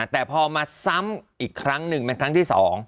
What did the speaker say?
แต่พอมาซ้ำอีกครั้งหนึ่งเป็นครั้งที่๒